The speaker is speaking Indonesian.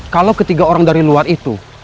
kalau ketiga orang dari luar itu